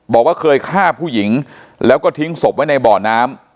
บอกว่าเคยฆ่าผู้หญิงแล้วก็ทิ้งศพไว้ในบ่อน้ำ